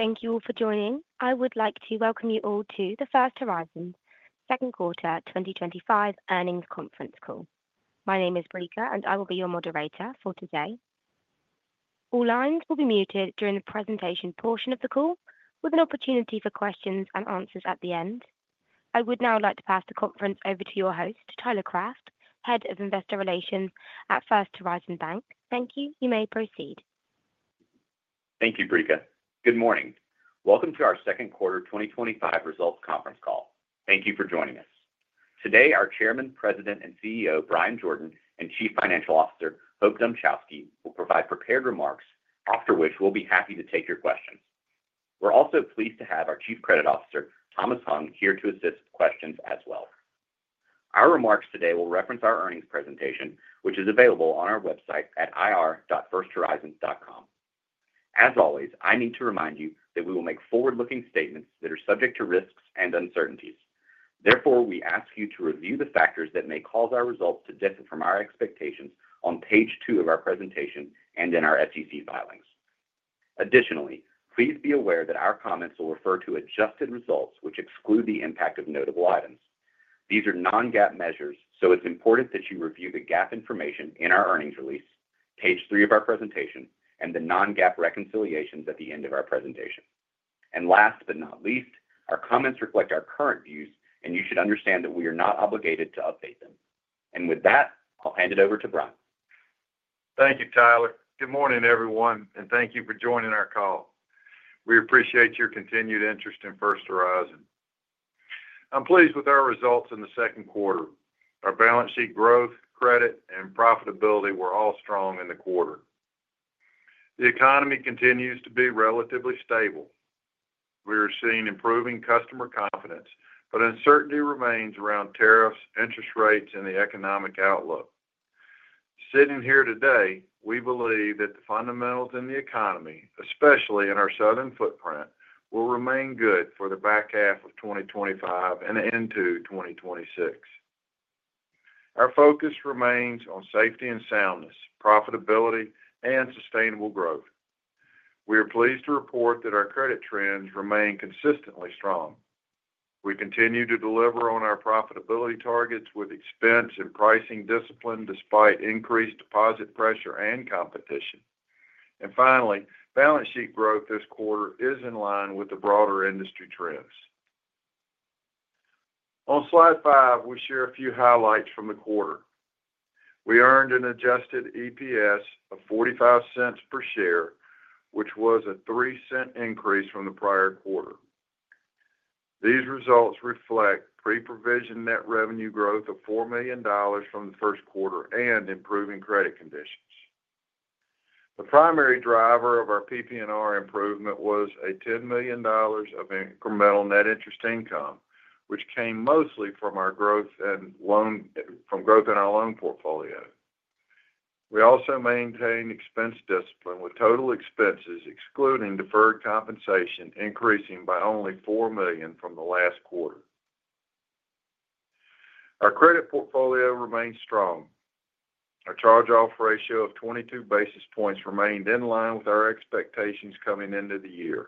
Thank you for joining. I would like to welcome you all to the First Horizon Second Quarter 2025 earnings conference call. My name is Brika, and I will be your moderator for today. All lines will be muted during the presentation portion of the call, with an opportunity for questions and answers at the end. I would now like to pass the conference over to your host, Tyler Craft, Head of Investor Relations at First Horizon Bank. Thank you. You may proceed. Thank you, Brika. Good morning. Welcome to our Second Quarter 2025 results conference call. Thank you for joining us. Today, our Chairman, President, and CEO, Bryan Jordan, and Chief Financial Officer, Hope Dmuchowski, will provide prepared remarks, after which we'll be happy to take your questions. We're also pleased to have our Chief Credit Officer, Thomas Hung, here to assist with questions as well. Our remarks today will reference our earnings presentation, which is available on our website at ir.firsthorizon.com. As always, I need to remind you that we will make forward-looking statements that are subject to risks and uncertainties. Therefore, we ask you to review the factors that may cause our results to differ from our expectations on page two of our presentation and in our FTC filings. Additionally, please be aware that our comments will refer to adjusted results, which exclude the impact of notable items. These are non-GAAP measures, so it's important that you review the GAAP information in our earnings release, page three of our presentation, and the non-GAAP reconciliations at the end of our presentation. Last but not least, our comments reflect our current views, and you should understand that we are not obligated to update them. With that, I'll hand it over to Bryan. Thank you, Tyler. Good morning, everyone, and thank you for joining our call. We appreciate your continued interest in First Horizon. I'm pleased with our results in the second quarter. Our balance sheet growth, credit, and profitability were all strong in the quarter. The economy continues to be relatively stable. We are seeing improving customer confidence, but uncertainty remains around tariffs, interest rates, and the economic outlook. Sitting here today, we believe that the fundamentals in the economy, especially in our southern footprint, will remain good for the back half of 2025 and into 2026. Our focus remains on safety and soundness, profitability, and sustainable growth. We are pleased to report that our credit trends remain consistently strong. We continue to deliver on our profitability targets with expense and pricing discipline despite increased deposit pressure and competition. Finally, balance sheet growth this quarter is in line with the broader industry trends. On slide five, we share a few highlights from the quarter. We earned an adjusted EPS of $0.45 per share, which was a $0.03 increase from the prior quarter. These results reflect pre-provision net revenue growth of $4 million from the first quarter and improving credit conditions. The primary driver of our PP&R improvement was $10 million of incremental net interest income, which came mostly from growth in our loan portfolio. We also maintained expense discipline with total expenses excluding deferred compensation increasing by only $4 million from the last quarter. Our credit portfolio remains strong. Our charge-off ratio of 22 basis points remained in line with our expectations coming into the year.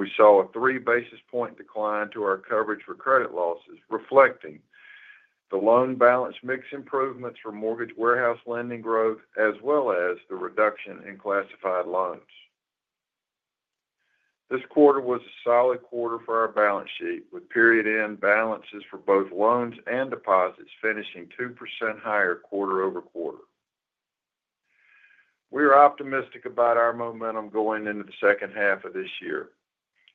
We saw a 3-basis-point decline to our coverage for credit losses, reflecting the loan balance mix improvements for mortgage warehouse lending growth, as well as the reduction in classified loans. This quarter was a solid quarter for our balance sheet, with period-end balances for both loans and deposits finishing 2% higher quarter over quarter. We are optimistic about our momentum going into the second half of this year.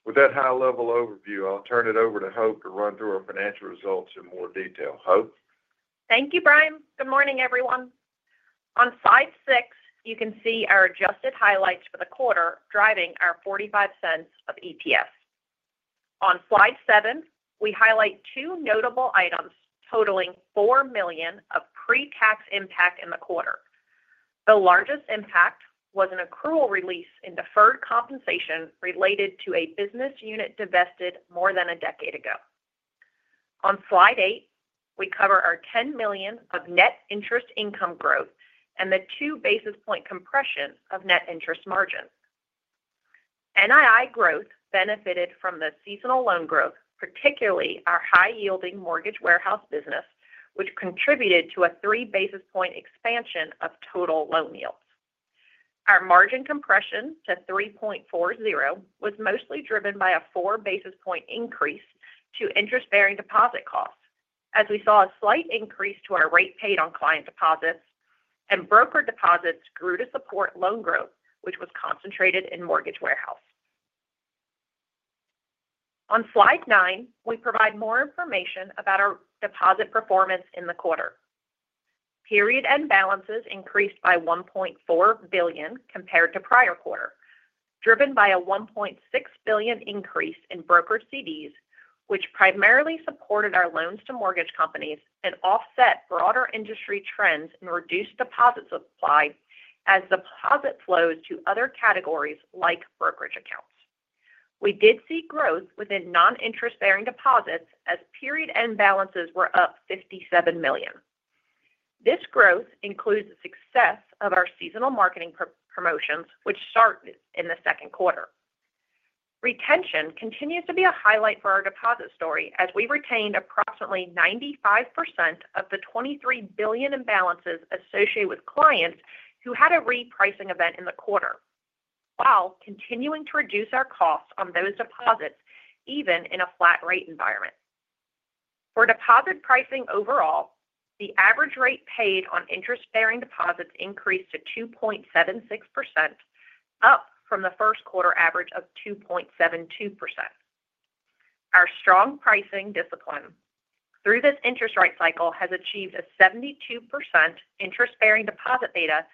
With that high-level overview, I'll turn it over to Hope to run through our financial results in more detail. Hope. Thank you, Brian. Good morning, everyone. On slide six, you can see our adjusted highlights for the quarter driving our $0.45 of EPS. On slide seven, we highlight two notable items totaling $4 million of pre-tax impact in the quarter. The largest impact was an accrual release in deferred compensation related to a business unit divested more than a decade ago. On slide eight, we cover our $10 million of net interest income growth and the 2 basis point compression of net interest margin. NII growth benefited from the seasonal loan growth, particularly our high-yielding mortgage warehouse business, which contributed to a 3 basis point expansion of total loan yields. Our margin compression to 3.40% was mostly driven by a 4 basis point increase to interest-bearing deposit costs, as we saw a slight increase to our rate paid on client deposits, and broker deposits grew to support loan growth, which was concentrated in mortgage warehouse. On slide nine, we provide more information about our deposit performance in the quarter. Period-end balances increased by $1.4 billion compared to prior quarter, driven by a $1.6 billion increase in broker CDs, which primarily supported our loans to mortgage companies and offset broader industry trends and reduced deposit supply as deposit flows to other categories like brokerage accounts. We did see growth within non-interest-bearing deposits as period-end balances were up $57 million. This growth includes the success of our seasonal marketing promotions, which started in the second quarter. Retention continues to be a highlight for our deposit story, as we retained approximately 95% of the $23 billion in balances associated with clients who had a repricing event in the quarter, while continuing to reduce our costs on those deposits even in a flat-rate environment. For deposit pricing overall, the average rate paid on interest-bearing deposits increased to 2.76%. Up from the first quarter average of 2.72%. Our strong pricing discipline through this interest rate cycle has achieved a 72% interest-bearing deposit beta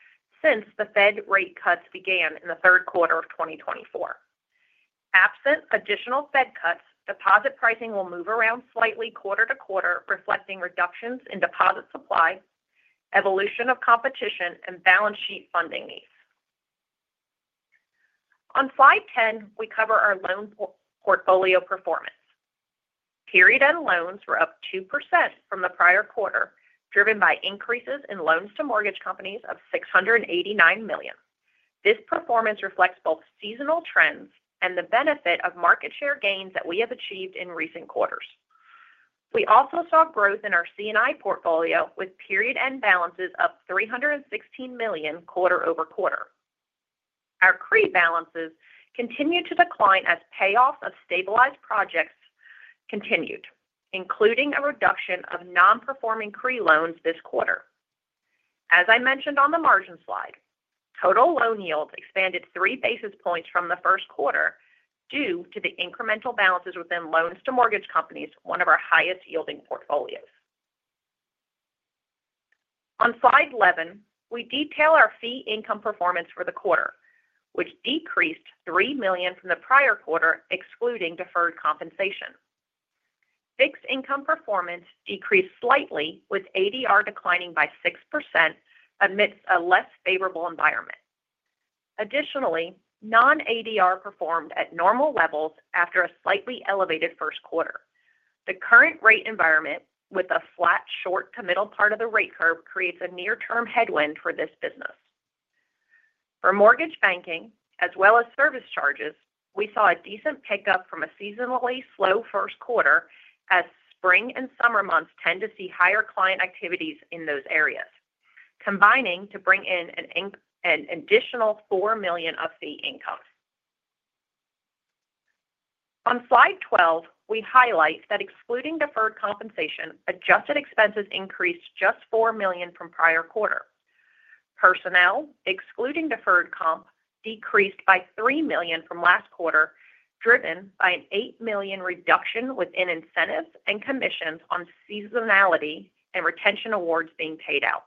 since the Fed rate cuts began in the third quarter of 2024. Absent additional Fed cuts, deposit pricing will move around slightly quarter to quarter, reflecting reductions in deposit supply, evolution of competition, and balance sheet funding needs. On slide 10, we cover our loan portfolio performance. Period-end loans were up 2% from the prior quarter, driven by increases in loans to mortgage companies of $689 million. This performance reflects both seasonal trends and the benefit of market share gains that we have achieved in recent quarters. We also saw growth in our C&I portfolio with period-end balances up $316 million quarter over quarter. Our CRE balances continued to decline as payoff of stabilized projects continued, including a reduction of non-performing CRE loans this quarter. As I mentioned on the margin slide, total loan yields expanded 3 basis points from the first quarter due to the incremental balances within loans to mortgage companies, one of our highest-yielding portfolios. On slide 11, we detail our fee income performance for the quarter, which decreased $3 million from the prior quarter, excluding deferred compensation. Fixed income performance decreased slightly, with ADR declining by 6% amidst a less favorable environment. Additionally, non-ADR performed at normal levels after a slightly elevated first quarter. The current rate environment, with a flat short to middle part of the rate curve, creates a near-term headwind for this business. For mortgage banking, as well as service charges, we saw a decent pickup from a seasonally slow first quarter, as spring and summer months tend to see higher client activities in those areas, combining to bring in an additional $4 million of fee income. On slide 12, we highlight that excluding deferred compensation, adjusted expenses increased just $4 million from prior quarter. Personnel, excluding deferred comp, decreased by $3 million from last quarter, driven by an $8 million reduction within incentives and commissions on seasonality and retention awards being paid out.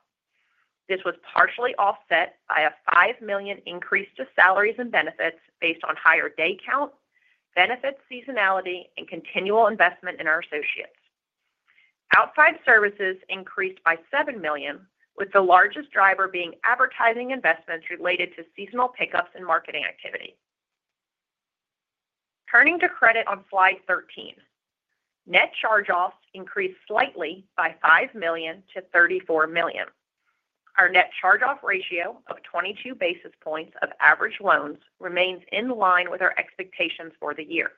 This was partially offset by a $5 million increase to salaries and benefits based on higher day count, benefits seasonality, and continual investment in our associates. Outside services increased by $7 million, with the largest driver being advertising investments related to seasonal pickups and marketing activity. Turning to credit on slide 13. Net charge-offs increased slightly by $5 million to $34 million. Our net charge-off ratio of 22 basis points of average loans remains in line with our expectations for the year.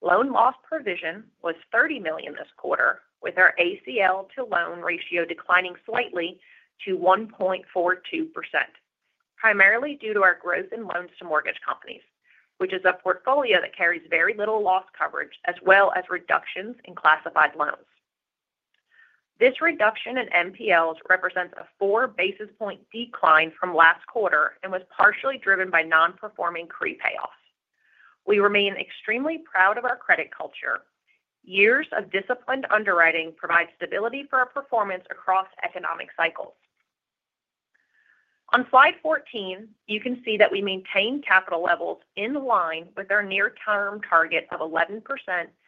Loan loss provision was $30 million this quarter, with our ACL to loan ratio declining slightly to 1.42%. Primarily due to our growth in loans to mortgage companies, which is a portfolio that carries very little loss coverage, as well as reductions in classified loans. This reduction in MPLs represents a 4 basis point decline from last quarter and was partially driven by non-performing CRE payoffs. We remain extremely proud of our credit culture. Years of disciplined underwriting provide stability for our performance across economic cycles. On slide 14, you can see that we maintain capital levels in line with our near-term target of 11%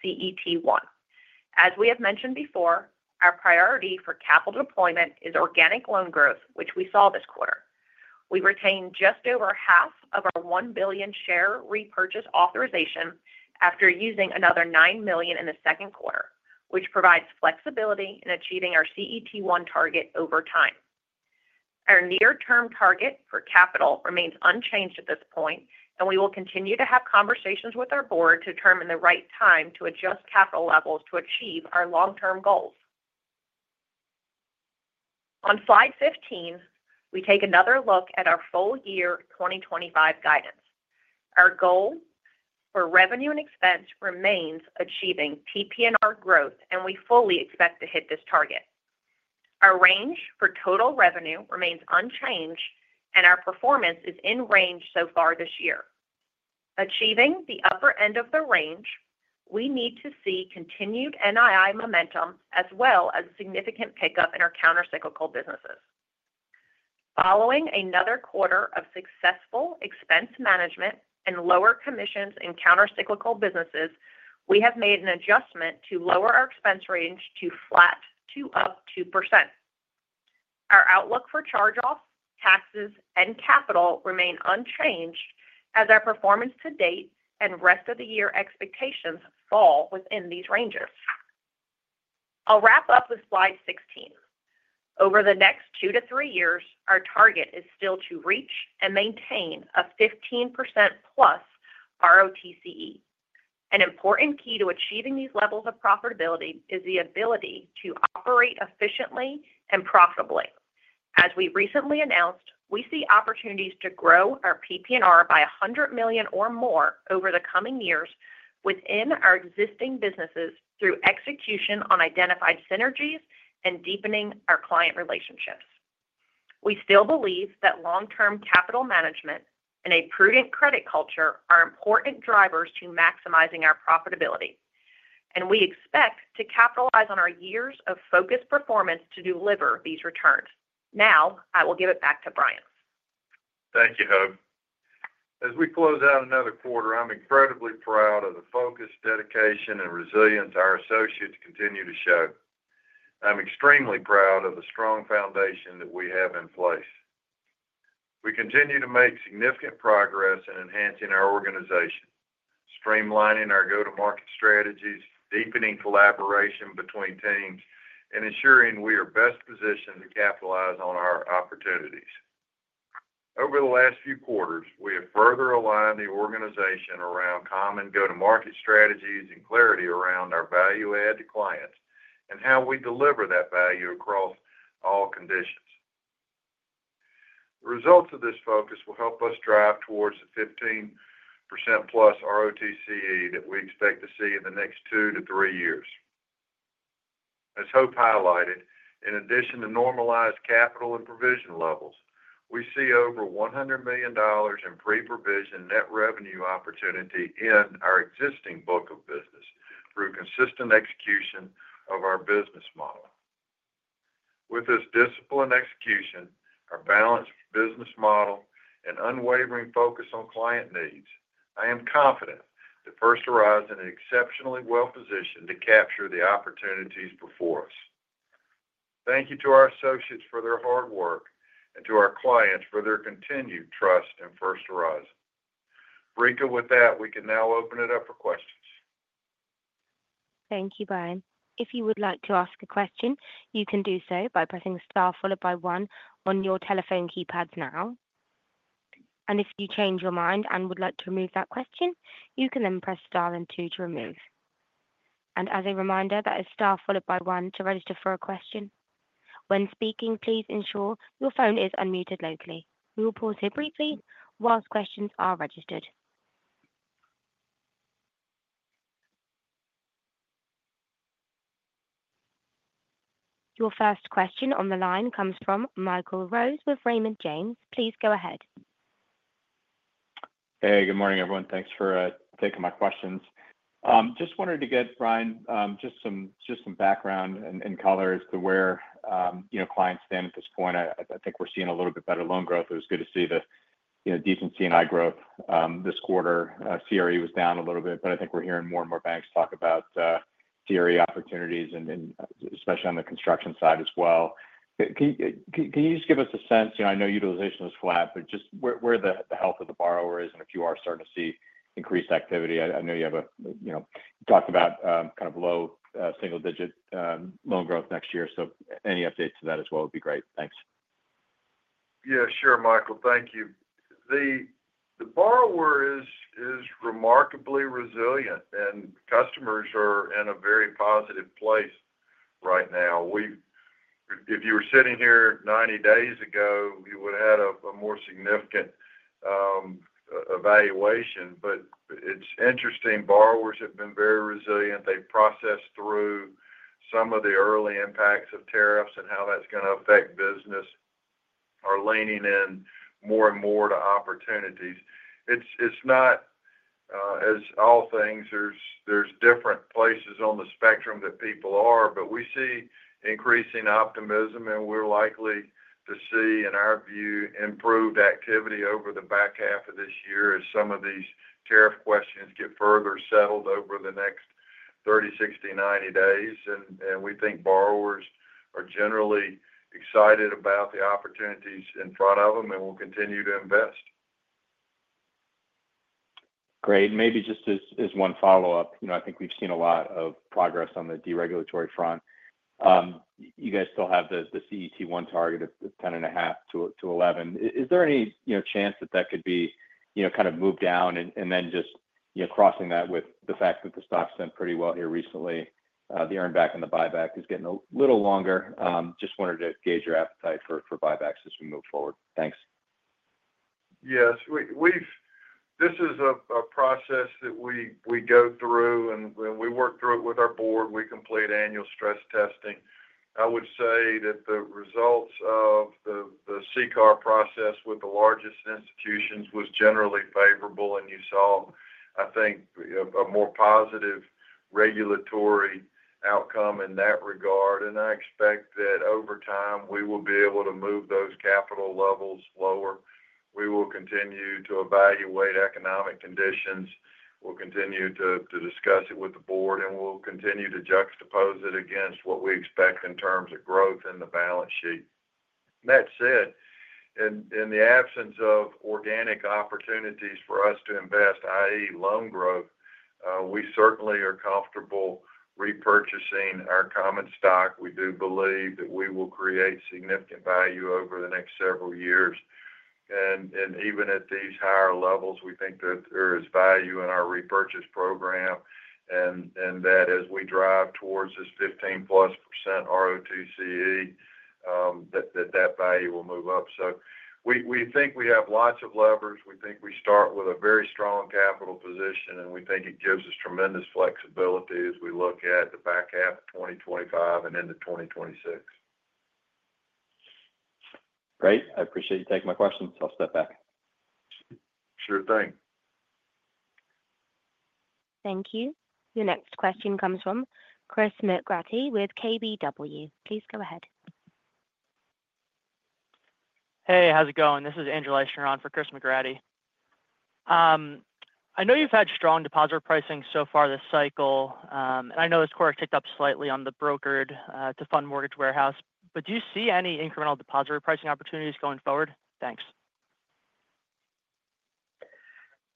CET1. As we have mentioned before, our priority for capital deployment is organic loan growth, which we saw this quarter. We retained just over half of our $1 billion share repurchase authorization after using another $9 million in the second quarter, which provides flexibility in achieving our CET1 target over time. Our near-term target for capital remains unchanged at this point, and we will continue to have conversations with our board to determine the right time to adjust capital levels to achieve our long-term goals. On slide 15, we take another look at our full year 2025 guidance. Our goal for revenue and expense remains achieving PP&R growth, and we fully expect to hit this target. Our range for total revenue remains unchanged, and our performance is in range so far this year. Achieving the upper end of the range, we need to see continued NII momentum as well as a significant pickup in our countercyclical businesses. Following another quarter of successful expense management and lower commissions in countercyclical businesses, we have made an adjustment to lower our expense range to flat 2%. Our outlook for charge-offs, taxes, and capital remains unchanged as our performance to date and rest of the year expectations fall within these ranges. I'll wrap up with slide 16. Over the next two to three years, our target is still to reach and maintain a 15% plus ROTCE. An important key to achieving these levels of profitability is the ability to operate efficiently and profitably. As we recently announced, we see opportunities to grow our PP&R by $100 million or more over the coming years within our existing businesses through execution on identified synergies and deepening our client relationships. We still believe that long-term capital management and a prudent credit culture are important drivers to maximizing our profitability, and we expect to capitalize on our years of focused performance to deliver these returns. Now, I will give it back to Bryan. Thank you, Hope. As we close out another quarter, I'm incredibly proud of the focus, dedication, and resilience our associates continue to show. I'm extremely proud of the strong foundation that we have in place. We continue to make significant progress in enhancing our organization, streamlining our go-to-market strategies, deepening collaboration between teams, and ensuring we are best positioned to capitalize on our opportunities. Over the last few quarters, we have further aligned the organization around common go-to-market strategies and clarity around our value-add to clients and how we deliver that value across all conditions. The results of this focus will help us drive towards the 15% plus ROTCE that we expect to see in the next two to three years. As Hope highlighted, in addition to normalized capital and provision levels, we see over $100 million in pre-provision net revenue opportunity in our existing book of business through consistent execution of our business model. With this disciplined execution, our balanced business model, and unwavering focus on client needs, I am confident that First Horizon is exceptionally well positioned to capture the opportunities before us. Thank you to our associates for their hard work and to our clients for their continued trust in First Horizon. Rika, with that, we can now open it up for questions. Thank you, Brian. If you would like to ask a question, you can do so by pressing star followed by one on your telephone keypads now. If you change your mind and would like to remove that question, you can then press star and two to remove. As a reminder, that is star followed by one to register for a question. When speaking, please ensure your phone is unmuted locally. We will pause here briefly whilst questions are registered. Your first question on the line comes from Michael Rose with Raymond James. Please go ahead. Hey, good morning, everyone. Thanks for taking my questions. Just wanted to get, Brian, just some background and color as to where clients stand at this point. I think we're seeing a little bit better loan growth. It was good to see the decent C&I growth this quarter. CRE was down a little bit, but I think we're hearing more and more banks talk about CRE opportunities, especially on the construction side as well. Can you just give us a sense? I know utilization was flat, but just where the health of the borrower is and if you are starting to see increased activity. I know you have talked about kind of low single-digit loan growth next year. Any updates to that as well would be great. Thanks. Yeah, sure, Michael. Thank you. The borrower is remarkably resilient, and customers are in a very positive place right now. If you were sitting here 90 days ago, you would have had a more significant evaluation. It's interesting. Borrowers have been very resilient. They've processed through some of the early impacts of tariffs and how that's going to affect business. Are leaning in more and more to opportunities. It's not, as all things, there's different places on the spectrum that people are, but we see increasing optimism, and we're likely to see, in our view, improved activity over the back half of this year as some of these tariff questions get further settled over the next 30, 60, 90 days. We think borrowers are generally excited about the opportunities in front of them and will continue to invest. Great. Maybe just as one follow-up, I think we've seen a lot of progress on the deregulatory front. You guys still have the CET1 target of 10.5-11. Is there any chance that that could be kind of moved down and then just crossing that with the fact that the stock's done pretty well here recently, the earnback and the buyback is getting a little longer? Just wanted to gauge your appetite for buybacks as we move forward. Thanks. Yes. This is a process that we go through, and we work through it with our Board. We complete annual stress testing. I would say that the results of the CCAR process with the largest institutions was generally favorable, and you saw, I think, a more positive regulatory outcome in that regard. I expect that over time, we will be able to move those capital levels lower. We will continue to evaluate economic conditions. We'll continue to discuss it with the board, and we'll continue to juxtapose it against what we expect in terms of growth in the balance sheet. That said, in the absence of organic opportunities for us to invest, i.e., loan growth, we certainly are comfortable repurchasing our common stock. We do believe that we will create significant value over the next several years. Even at these higher levels, we think that there is value in our repurchase program. As we drive towards this 15% plus ROTCE, that value will move up. We think we have lots of levers. We think we start with a very strong capital position, and we think it gives us tremendous flexibility as we look at the back half of 2025 and into 2026. Great. I appreciate you taking my questions. I'll step back. Sure thing. Thank you. Your next question comes from Chris McGratty with KBW. Please go ahead. Hey, how's it going? This is Andrew Leischner for Chris McGratty. I know you've had strong depository pricing so far this cycle, and I know this quarter ticked up slightly on the brokered-to-fund mortgage warehouse. But do you see any incremental depository pricing opportunities going forward? Thanks.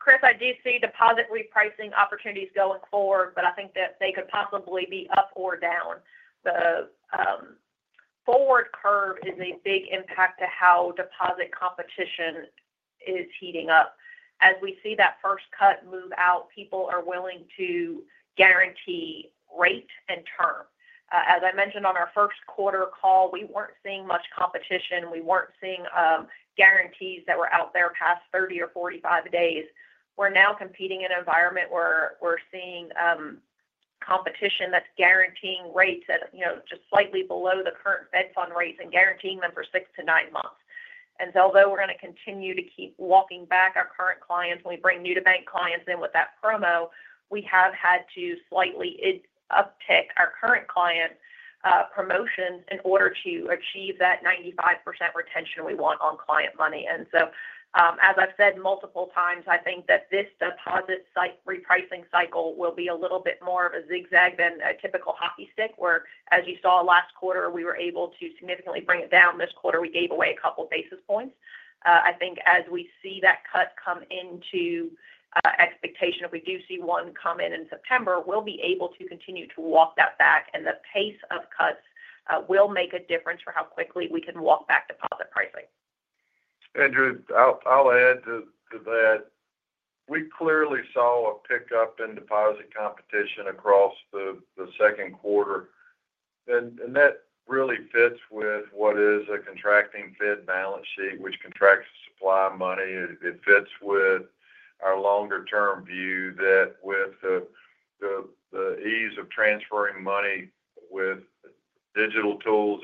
Chris, I do see depository pricing opportunities going forward, but I think that they could possibly be up or down. The forward curve is a big impact to how deposit competition is heating up. As we see that first cut move out, people are willing to guarantee rate and term. As I mentioned on our first quarter call, we were not seeing much competition. We were not seeing guarantees that were out there past 30 or 45 days. We are now competing in an environment where we are seeing competition that is guaranteeing rates at just slightly below the current Fed Fund Rates and guaranteeing them for six-nine months. Although we are going to continue to keep walking back our current clients, when we bring new-to-bank clients in with that promo, we have had to slightly. Uptake our current client promotions in order to achieve that 95% retention we want on client money. As I've said multiple times, I think that this deposit repricing cycle will be a little bit more of a zigzag than a typical hockey stick, where, as you saw last quarter, we were able to significantly bring it down. This quarter, we gave away a couple of basis points. I think as we see that cut come into expectation, if we do see one come in in September, we'll be able to continue to walk that back, and the pace of cuts will make a difference for how quickly we can walk back deposit pricing. Andrew, I'll add to that. We clearly saw a pickup in deposit competition across the second quarter. That really fits with what is a contracting Fed balance sheet, which contracts supply money. It fits with our longer-term view that with the ease of transferring money with digital tools,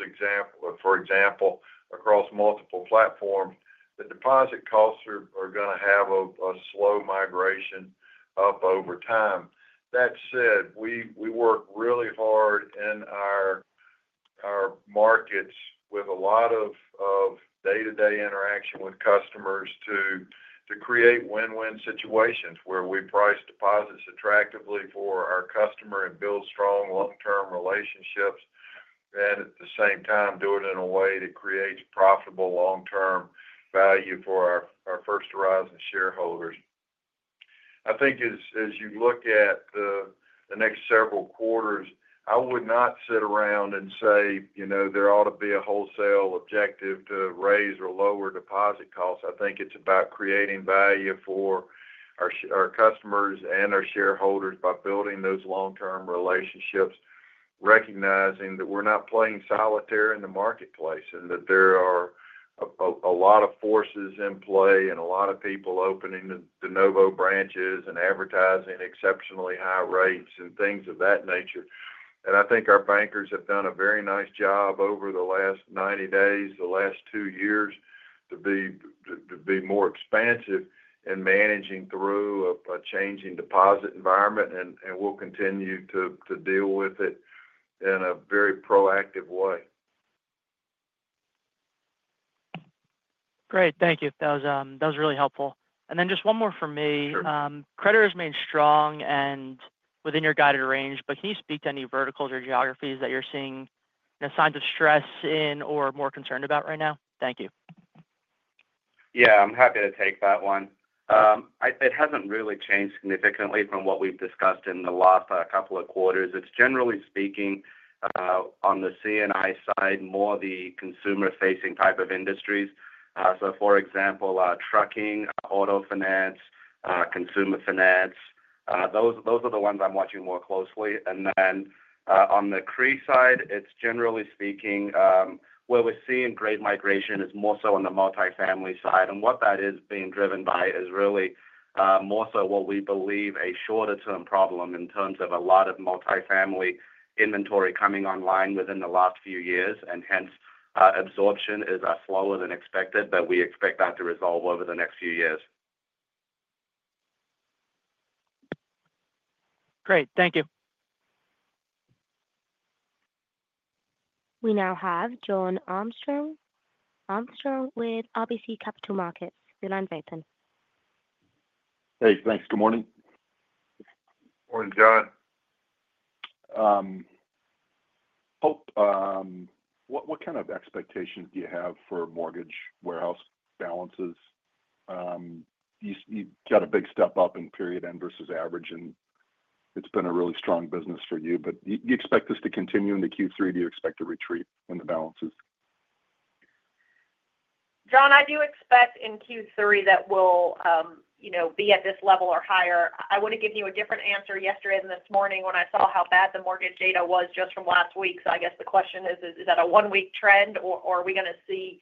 for example, across multiple platforms, the deposit costs are going to have a slow migration up over time. That said, we work really hard in our markets with a lot of day-to-day interaction with customers to create win-win situations where we price deposits attractively for our customer and build strong long-term relationships, and at the same time, do it in a way that creates profitable long-term value for our First Horizon shareholders. I think as you look at the next several quarters, I would not sit around and say there ought to be a wholesale objective to raise or lower deposit costs. I think it's about creating value for our customers and our shareholders by building those long-term relationships, recognizing that we're not playing solitaire in the marketplace and that there are a lot of forces in play and a lot of people opening de novo branches and advertising exceptionally high rates and things of that nature. I think our bankers have done a very nice job over the last 90 days, the last two years, to be more expansive in managing through a changing deposit environment, and we'll continue to deal with it in a very proactive way. Great. Thank you. That was really helpful. Just one more from me. Creditors remain strong and within your guided range, but can you speak to any verticals or geographies that you're seeing signs of stress in or more concerned about right now? Thank you. Yeah, I'm happy to take that one. It hasn't really changed significantly from what we've discussed in the last couple of quarters. It's generally speaking. On the C&I side, more the consumer-facing type of industries. For example, trucking, auto finance, consumer finance. Those are the ones I'm watching more closely. Then on the CRE side, it's generally speaking, where we're seeing great migration is more so on the multifamily side. What that is being driven by is really more so what we believe a shorter-term problem in terms of a lot of multifamily inventory coming online within the last few years. Hence, absorption is slower than expected, but we expect that to resolve over the next few years. Great. Thank you. We now have John Armstrong. Armstrong with RBC Capital Markets. Your line is open. Hey, thanks. Good morning. Morning, John. Hope. What kind of expectations do you have for mortgage warehouse balances? You've got a big step up in period end versus average, and it's been a really strong business for you. Do you expect this to continue in the Q3? Do you expect a retreat in the balances? John, I do expect in Q3 that we'll be at this level or higher. I want to give you a different answer yesterday than this morning when I saw how bad the mortgage data was just from last week. I guess the question is, is that a one-week trend, or are we going to see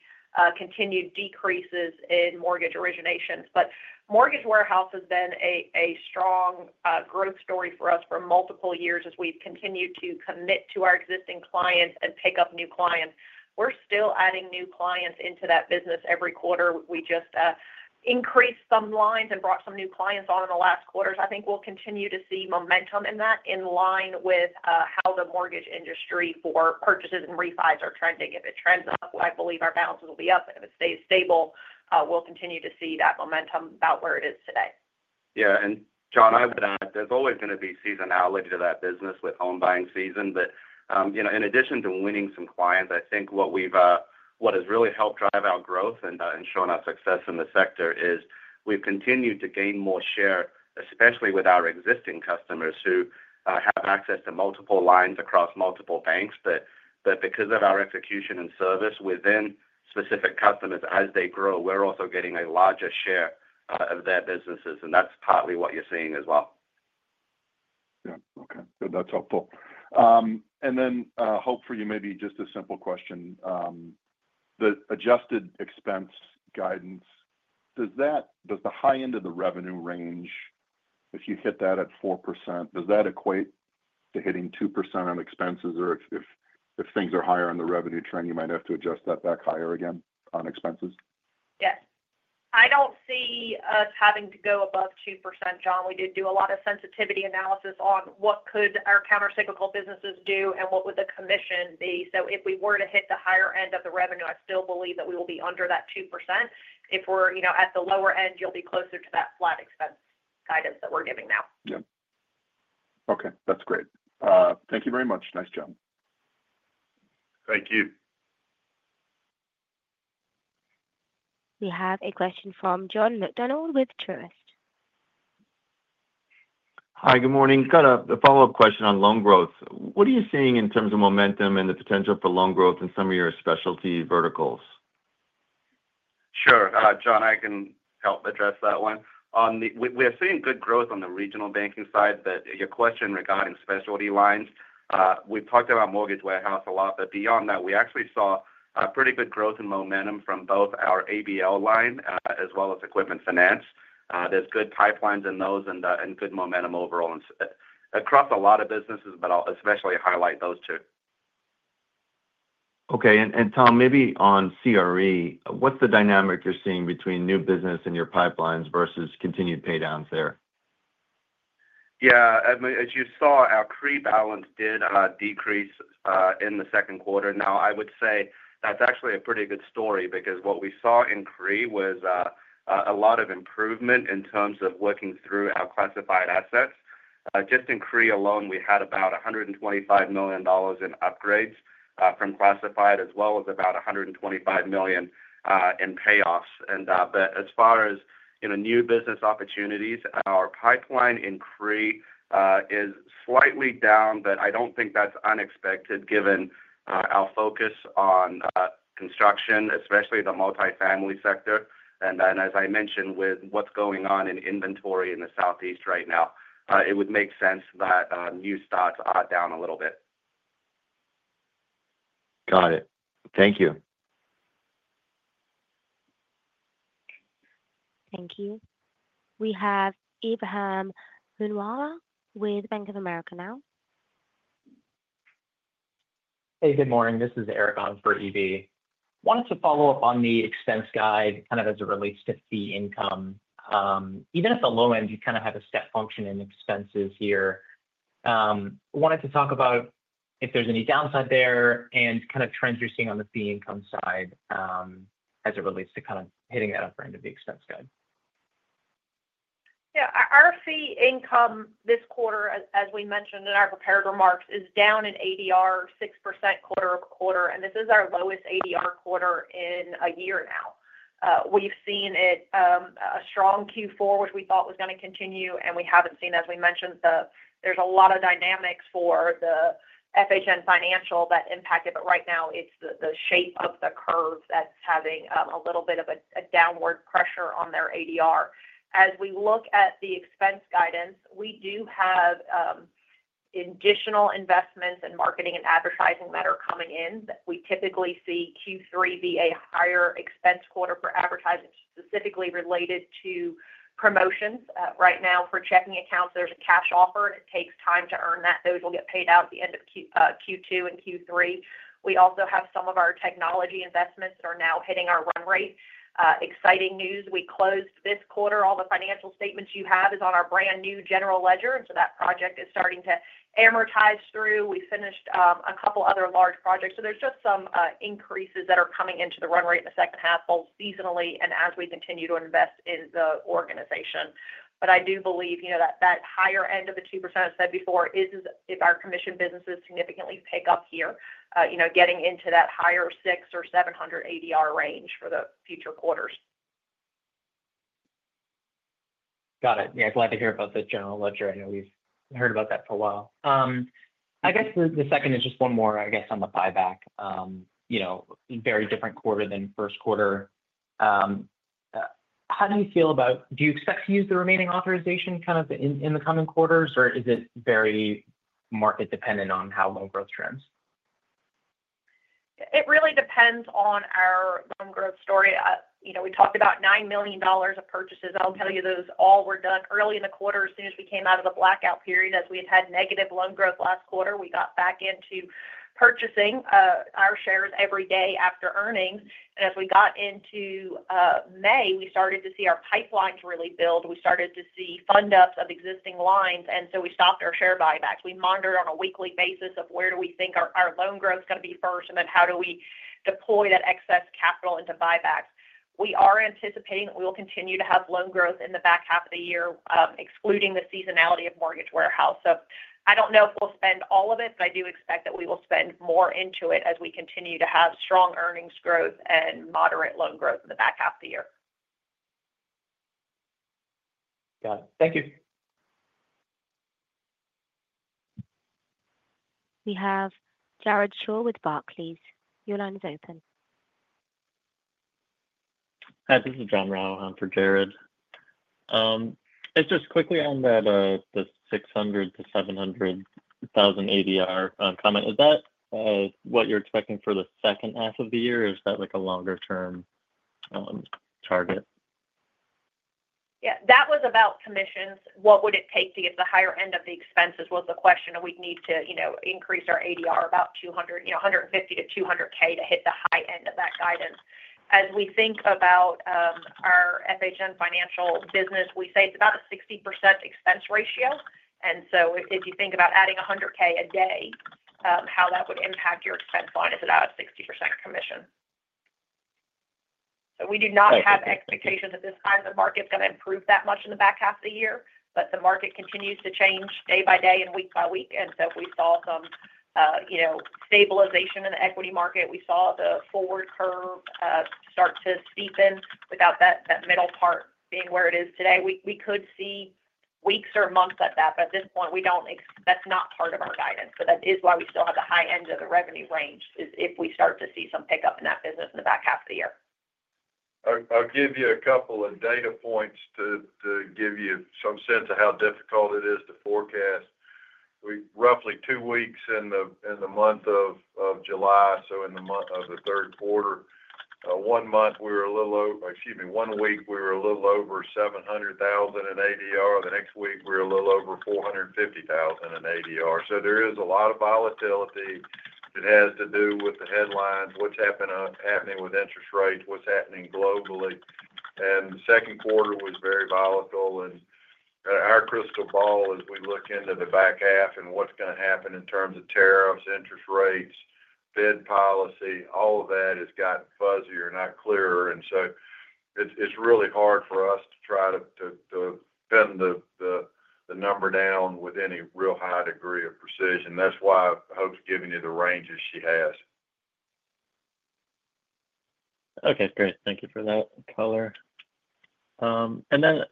continued decreases in mortgage originations? Mortgage warehouse has been a strong growth story for us for multiple years as we've continued to commit to our existing clients and pick up new clients. We're still adding new clients into that business every quarter. We just increased some lines and brought some new clients on in the last quarter. I think we'll continue to see momentum in that in line with how the mortgage industry for purchases and refis are trending. If it trends up, I believe our balances will be up. If it stays stable, we'll continue to see that momentum about where it is today. Yeah. John, I would add there's always going to be seasonality to that business with home buying season. In addition to winning some clients, I think what has really helped drive our growth and shown our success in the sector is we've continued to gain more share, especially with our existing customers who have access to multiple lines across multiple banks. Because of our execution and service within specific customers as they grow, we're also getting a larger share of their businesses. That's partly what you're seeing as well. Yeah. Okay. That's helpful. Then, Hope, for you, maybe just a simple question. The adjusted expense guidance, does the high end of the revenue range, if you hit that at 4%, does that equate to hitting 2% on expenses? Or if things are higher on the revenue trend, you might have to adjust that back higher again on expenses? Yes. I don't see us having to go above 2%, John. We did do a lot of sensitivity analysis on what could our countercyclical businesses do and what would the commission be. If we were to hit the higher end of the revenue, I still believe that we will be under that 2%. If we're at the lower end, you'll be closer to that flat expense guidance that we're giving now. Yeah. Okay. That's great. Thank you very much. Nice job. Thank you. We have a question from John McDonald with Truist. Hi, good morning. Got a follow-up question on loan growth. What are you seeing in terms of momentum and the potential for loan growth in some of your specialty verticals? Sure. John, I can help address that one. We are seeing good growth on the regional banking side, but your question regarding specialty lines, we've talked about mortgage warehouse a lot, but beyond that, we actually saw pretty good growth and momentum from both our ABL line as well as equipment finance. There are good pipelines in those and good momentum overall across a lot of businesses, but I'll especially highlight those two. Okay. Tom, maybe on CRE, what's the dynamic you're seeing between new business and your pipelines versus continued paydowns there? Yeah. As you saw, our CRE balance did decrease in the second quarter. Now, I would say that's actually a pretty good story because what we saw in CRE was a lot of improvement in terms of working through our classified assets. Just in CRE alone, we had about $125 million in upgrades from classified, as well as about $125 million in payoffs. As far as new business opportunities, our pipeline in CRE is slightly down, but I don't think that's unexpected given our focus on construction, especially the multifamily sector. As I mentioned, with what's going on in inventory in the Southeast right now, it would make sense that new starts are down a little bit. Got it. Thank you. Thank you. We have Ebrahim Poonawala with Bank of America now. Hey, good morning. This is Eric on for EB. Wanted to follow up on the expense guide kind of as it relates to fee income. Even at the low end, you kind of have a step function in expenses here. Wanted to talk about if there's any downside there and kind of trends you're seeing on the fee income side. As it relates to kind of hitting that upper end of the expense guide. Yeah. Our fee income this quarter, as we mentioned in our prepared remarks, is down in ADR 6% quarter-over-quarter. This is our lowest ADR quarter in a year now. We've seen a strong Q4, which we thought was going to continue, and we haven't seen, as we mentioned, there's a lot of dynamics for the FHN Financial that impacted it. Right now, it's the shape of the curve that's having a little bit of a downward pressure on their ADR. As we look at the expense guidance, we do have additional investments in marketing and advertising that are coming in. We typically see Q3 be a higher expense quarter for advertising, specifically related to promotions. Right now, for checking accounts, there's a cash offer, and it takes time to earn that. Those will get paid out at the end of Q2 and Q3. We also have some of our technology investments that are now hitting our run rate. Exciting news. We closed this quarter. All the financial statements you have is on our brand new general ledger. That project is starting to amortize through. We finished a couple of other large projects. There are just some increases that are coming into the run rate in the second half both seasonally and as we continue to invest in the organization. I do believe that that higher end of the 2% I said before is if our commission businesses significantly pick up here, getting into that higher 6 or 700 ADR range for the future quarters. Got it. Yeah. Glad to hear about the general ledger. I know we've heard about that for a while. I guess the second is just one more, I guess, on the buyback. Very different quarter than first quarter. How do you feel about, do you expect to use the remaining authorization kind of in the coming quarters, or is it very market-dependent on how loan growth trends? It really depends on our loan growth story. We talked about $9 million of purchases. I'll tell you, those all were done early in the quarter as soon as we came out of the blackout period. As we had had negative loan growth last quarter, we got back into purchasing our shares every day after earnings. As we got into May, we started to see our pipelines really build. We started to see fund-ups of existing lines. We stopped our share buybacks. We monitored on a weekly basis where do we think our loan growth is going to be first, and then how do we deploy that excess capital into buybacks. We are anticipating that we will continue to have loan growth in the back half of the year, excluding the seasonality of mortgage warehouse. I don't know if we'll spend all of it, but I do expect that we will spend more into it as we continue to have strong earnings growth and moderate loan growth in the back half of the year. Got it. Thank you. We have Jared Shaw with Barclays. Your line is open. Hi, this is John Rao for Jared. Just quickly on the $600,000-$700,000 ADR comment. Is that what you're expecting for the second half of the year, or is that a longer-term target? Yeah. That was about commissions. What would it take to get the higher end of the expenses was the question. We'd need to increase our ADR about $150,000-$200,000 to hit the high end of that guidance. As we think about our FHN Financial business, we say it's about a 60% expense ratio. If you think about adding $100,000 a day, how that would impact your expense line is about a 60% commission. We do not have expectations at this time that the market's going to improve that much in the back half of the year, but the market continues to change day by day and week by week. We saw some stabilization in the equity market. We saw the forward curve start to steepen without that middle part being where it is today. We could see weeks or months like that. At this point, that's not part of our guidance. That is why we still have the high end of the revenue range, is if we start to see some pickup in that business in the back half of the year. I'll give you a couple of data points to give you some sense of how difficult it is to forecast. Roughly two weeks in the month of July, so in the third quarter. One week, we were a little over $700,000 in ADR. The next week, we were a little over $450,000 in ADR. There is a lot of volatility. It has to do with the headlines, what's happening with interest rates, what's happening globally. The second quarter was very volatile. Our crystal ball, as we look into the back half and what's going to happen in terms of tariffs, interest rates, Fed policy, all of that has gotten fuzzier and not clearer. It's really hard for us to try to bend the number down with any real high degree of precision. That's why Hope's giving you the ranges she has. Okay. Great. Thank you for that color.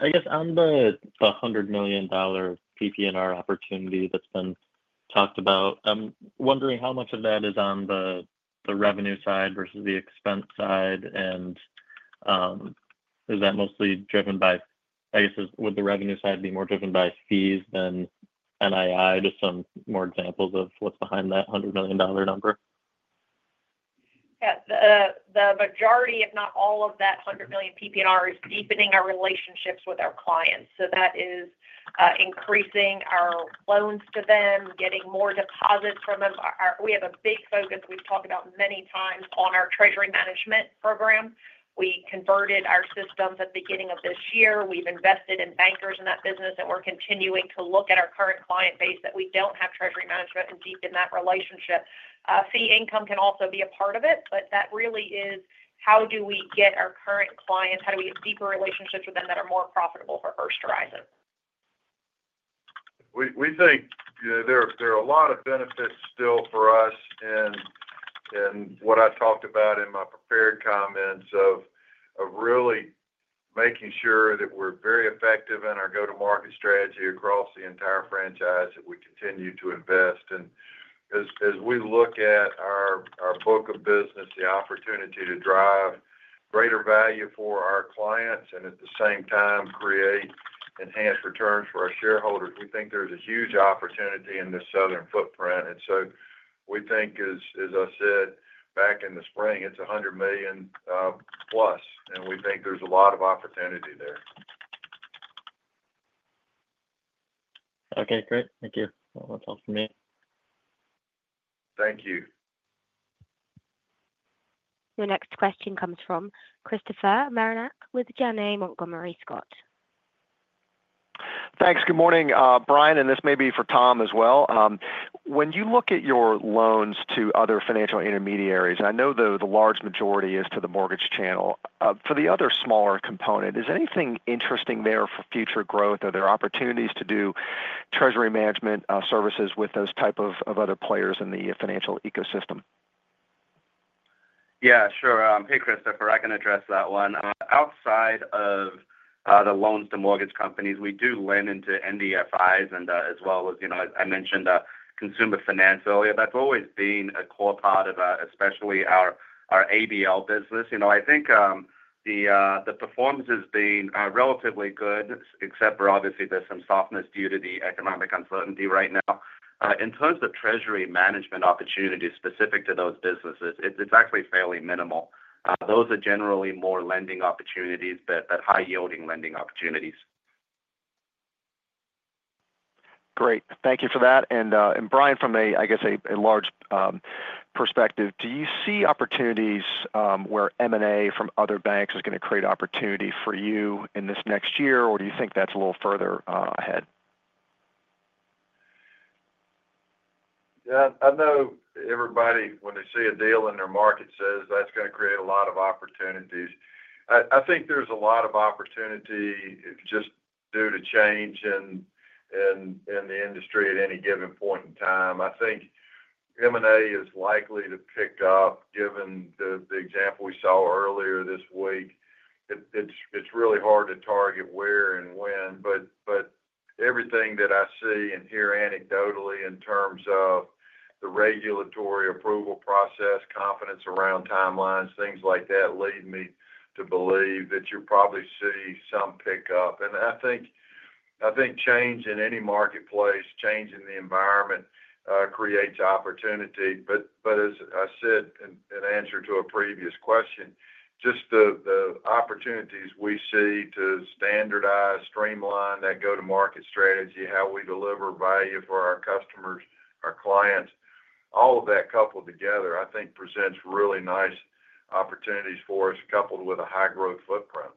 I guess, on the $100 million PP&R opportunity that's been talked about, I'm wondering how much of that is on the revenue side versus the expense side. Is that mostly driven by—I guess, would the revenue side be more driven by fees than NII? Just some more examples of what's behind that $100 million number. Yeah. The majority, if not all of that $100 million PP&R, is deepening our relationships with our clients. That is increasing our loans to them, getting more deposits from them. We have a big focus we have talked about many times on our treasury management program. We converted our systems at the beginning of this year. We have invested in bankers in that business, and we are continuing to look at our current client base that we do not have treasury management and deepen that relationship. Fee income can also be a part of it, but that really is how do we get our current clients? How do we get deeper relationships with them that are more profitable for First Horizon? We think there are a lot of benefits still for us in what I talked about in my prepared comments of really making sure that we're very effective in our go-to-market strategy across the entire franchise, that we continue to invest. As we look at our book of business, the opportunity to drive greater value for our clients and at the same time create enhanced returns for our shareholders, we think there's a huge opportunity in this Southern footprint. We think, as I said back in the spring, it's $100 million plus, and we think there's a lot of opportunity there. Okay. Great. Thank you. That's all for me. Thank you. The next question comes from Christopher Marinac with Janney Montgomery Scott. Thanks. Good morning, Brian. And this may be for Tom as well. When you look at your loans to other financial intermediaries, I know, though, the large majority is to the mortgage channel. For the other smaller component, is anything interesting there for future growth or are there opportunities to do treasury management services with those types of other players in the financial ecosystem? Yeah. Sure. Hey, Christopher. I can address that one. Outside of the loans to mortgage companies, we do lend into NDFIs and as well as, as I mentioned, consumer finance earlier. That's always been a core part of especially our ABL business. I think the performance has been relatively good, except for obviously there's some softness due to the economic uncertainty right now. In terms of treasury management opportunities specific to those businesses, it's actually fairly minimal. Those are generally more lending opportunities, but high-yielding lending opportunities. Great. Thank you for that. Brian, from, I guess, a large perspective, do you see opportunities where M&A from other banks is going to create opportunity for you in this next year, or do you think that's a little further ahead? Yeah. I know everybody, when they see a deal in their market, says that's going to create a lot of opportunities. I think there's a lot of opportunity just due to change in the industry at any given point in time. I think M&A is likely to pick up given the example we saw earlier this week. It's really hard to target where and when, but everything that I see and hear anecdotally in terms of the regulatory approval process, confidence around timelines, things like that lead me to believe that you'll probably see some pickup. I think change in any marketplace, change in the environment, creates opportunity. As I said in answer to a previous question, just the opportunities we see to standardize, streamline that go-to-market strategy, how we deliver value for our customers, our clients, all of that coupled together, I think presents really nice opportunities for us coupled with a high-growth footprint.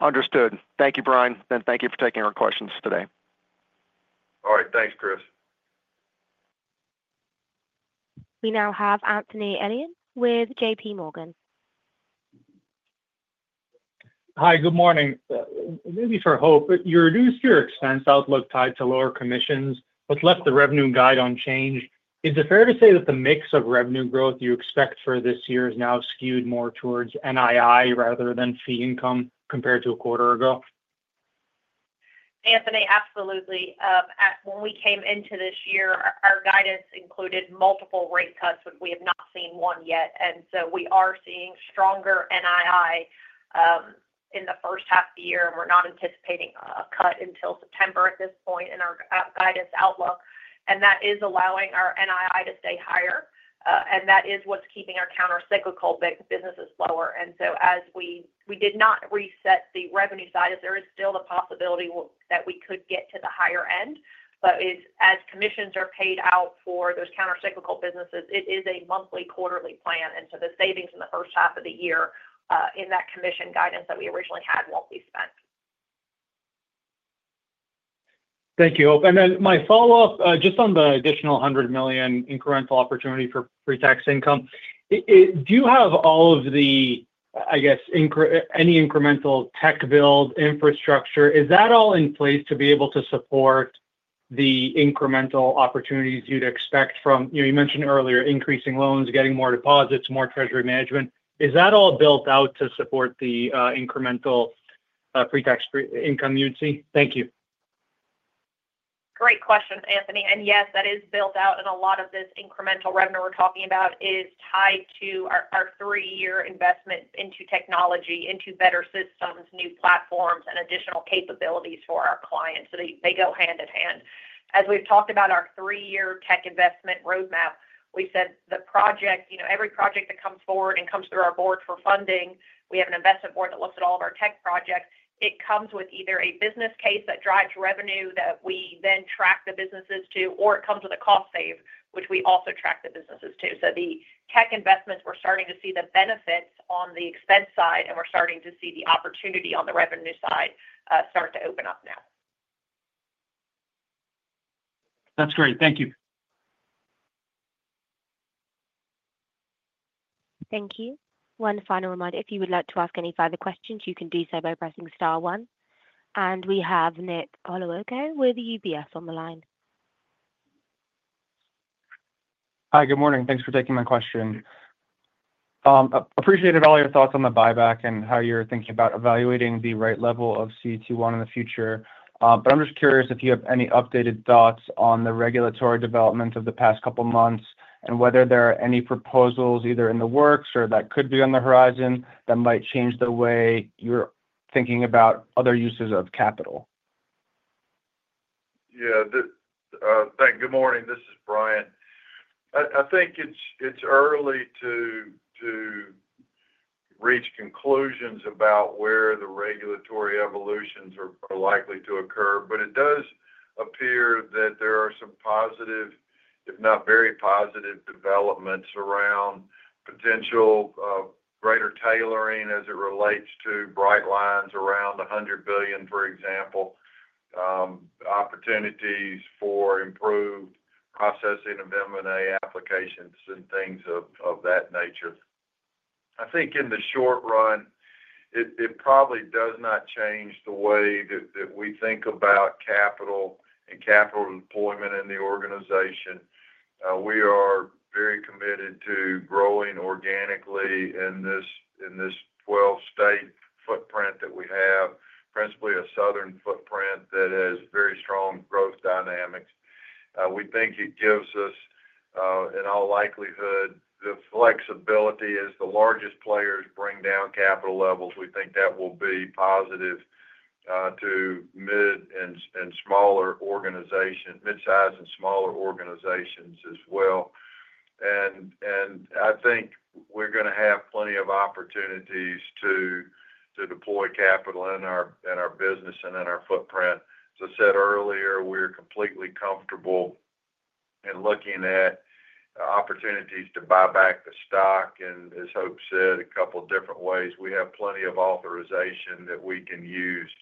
Understood. Thank you, Brian. Thank you for taking our questions today. All right. Thanks, Chris. We now have Anthony Elliott with JPMorgan. Hi. Good morning. Maybe for Hope, you reduced your expense outlook tied to lower commissions but left the revenue guide unchanged. Is it fair to say that the mix of revenue growth you expect for this year is now skewed more towards NII rather than fee income compared to a quarter ago? Anthony, absolutely. When we came into this year, our guidance included multiple rate cuts, but we have not seen one yet. We are seeing stronger NII in the first half of the year, and we're not anticipating a cut until September at this point in our guidance outlook. That is allowing our NII to stay higher. That is what's keeping our countercyclical businesses lower. As we did not reset the revenue side, there is still the possibility that we could get to the higher end. As commissions are paid out for those countercyclical businesses, it is a monthly, quarterly plan. The savings in the first half of the year in that commission guidance that we originally had won't be spent. Thank you, Hope. My follow-up, just on the additional $100 million incremental opportunity for pre-tax income, do you have all of the, I guess, any incremental tech build infrastructure? Is that all in place to be able to support the incremental opportunities you'd expect from—you mentioned earlier increasing loans, getting more deposits, more treasury management. Is that all built out to support the incremental pre-tax income you'd see? Thank you. Great questions, Anthony. Yes, that is built out. A lot of this incremental revenue we're talking about is tied to our three-year investment into technology, into better systems, new platforms, and additional capabilities for our clients. They go hand in hand. As we've talked about our three-year tech investment roadmap, we said the project, every project that comes forward and comes through our board for funding, we have an investment board that looks at all of our tech projects. It comes with either a business case that drives revenue that we then track the businesses to, or it comes with a cost save, which we also track the businesses to. The tech investments, we're starting to see the benefits on the expense side, and we're starting to see the opportunity on the revenue side start to open up now. That's great. Thank you. Thank you. One final reminder, if you would like to ask any further questions, you can do so by pressing star one. We have Nick Galeone with UBS on the line. Hi. Good morning. Thanks for taking my question. Appreciated all your thoughts on the buyback and how you're thinking about evaluating the right level of CET1 in the future. I'm just curious if you have any updated thoughts on the regulatory developments of the past couple of months and whether there are any proposals either in the works or that could be on the horizon that might change the way you're thinking about other uses of capital. Yeah. Thank you. Good morning. This is Brian. I think it's early to reach conclusions about where the regulatory evolutions are likely to occur, but it does appear that there are some positive, if not very positive, developments around potential greater tailoring as it relates to bright lines around $100 billion, for example. Opportunities for improved processing of M&A applications and things of that nature. I think in the short run, it probably does not change the way that we think about capital and capital deployment in the organization. We are very committed to growing organically in this 12-state footprint that we have, principally a Southern footprint that has very strong growth dynamics. We think it gives us, in all likelihood, the flexibility as the largest players bring down capital levels. We think that will be positive to mid-size and smaller organizations as well. I think we're going to have plenty of opportunities to deploy capital in our business and in our footprint. As I said earlier, we're completely comfortable in looking at opportunities to buy back the stock, and as Hope said, a couple of different ways. We have plenty of authorization that we can use to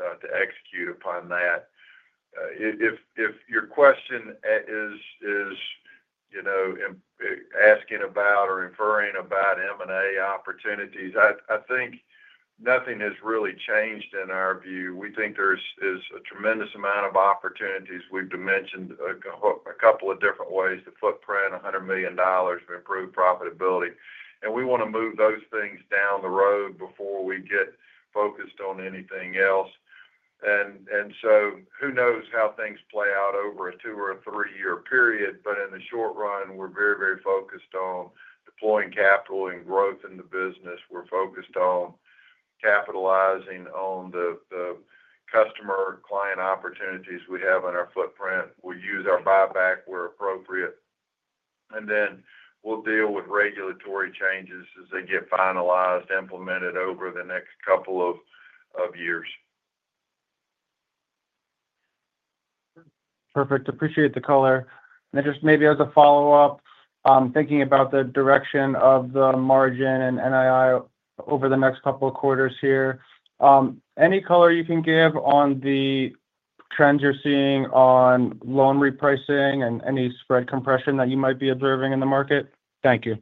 execute upon that. If your question is asking about or inferring about M&A opportunities, I think nothing has really changed in our view. We think there is a tremendous amount of opportunities. We've dimensioned a couple of different ways: the footprint, $100 million to improve profitability. We want to move those things down the road before we get focused on anything else. Who knows how things play out over a two- or a three-year period, but in the short run, we're very, very focused on deploying capital and growth in the business. We're focused on capitalizing on the customer client opportunities we have on our footprint. We'll use our buyback where appropriate. We'll deal with regulatory changes as they get finalized, implemented over the next couple of years. Perfect. Appreciate the color. Just maybe as a follow-up, thinking about the direction of the margin and NII over the next couple of quarters here. Any color you can give on the trends you're seeing on loan repricing and any spread compression that you might be observing in the market? Thank you.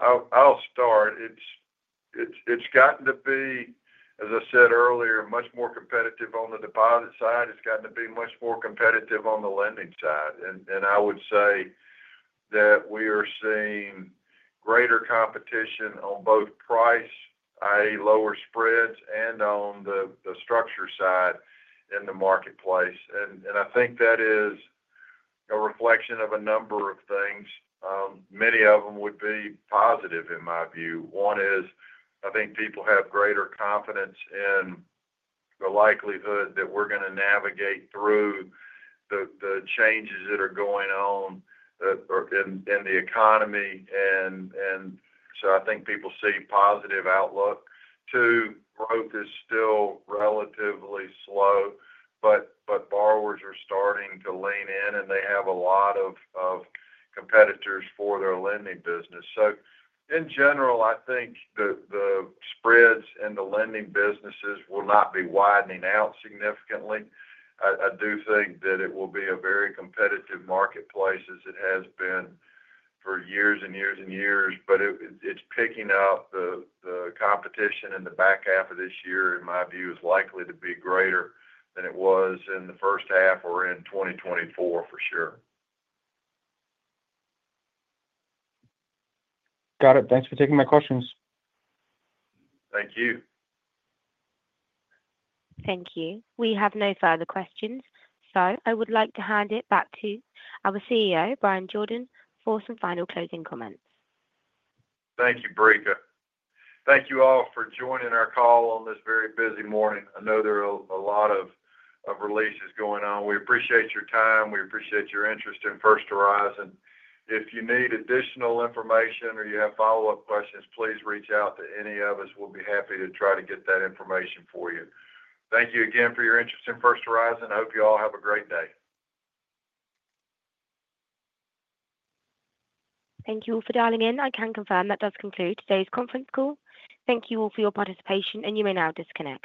I'll start. It's gotten to be, as I said earlier, much more competitive on the deposit side. It's gotten to be much more competitive on the lending side. I would say that we are seeing greater competition on both price, i.e., lower spreads, and on the structure side in the marketplace. I think that is a reflection of a number of things. Many of them would be positive in my view. One is I think people have greater confidence in the likelihood that we're going to navigate through the changes that are going on in the economy. I think people see positive outlook. Two, growth is still relatively slow, but borrowers are starting to lean in, and they have a lot of competitors for their lending business. In general, I think the spreads in the lending businesses will not be widening out significantly. I do think that it will be a very competitive marketplace as it has been for years and years and years, but it's picking up. The competition in the back half of this year, in my view, is likely to be greater than it was in the first half or in 2024 for sure. Got it. Thanks for taking my questions. Thank you. Thank you. We have no further questions. I would like to hand it back to our CEO, Bryan Jordan, for some final closing comments. Thank you, Brika. Thank you all for joining our call on this very busy morning. I know there are a lot of releases going on. We appreciate your time. We appreciate your interest in First Horizon. If you need additional information or you have follow-up questions, please reach out to any of us. We'll be happy to try to get that information for you. Thank you again for your interest in First Horizon. I hope you all have a great day. Thank you all for dialing in. I can confirm that does conclude today's conference call. Thank you all for your participation, and you may now disconnect.